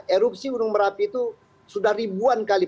erupsi gunung merapi itu sudah ribuan kali